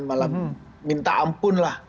malah minta ampun lah